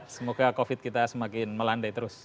semoga covid kita semakin melandai terus